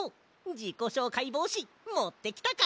じこしょうかいぼうしもってきたか？